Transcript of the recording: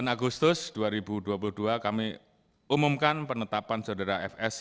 sembilan agustus dua ribu dua puluh dua kami umumkan penetapan saudara fs